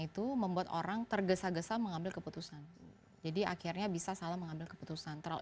itu membuat orang tergesa gesa mengambil keputusan jadi akhirnya bisa salah mengambil keputusan terlalu